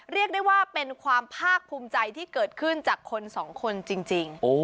เรียกได้ว่าเป็นความภาคภูมิใจที่เกิดขึ้นจากคนสองคนจริง